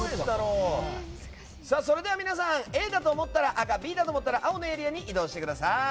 それでは皆さんＡだと思ったら赤Ｂだと思ったら青のエリアに移動してください。